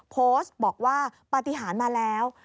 โพสต์บอกว่าปฏิหารมาแล้ว